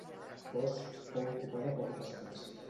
Kos fou ocupada poc després.